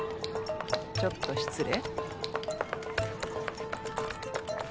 ちょっと失礼。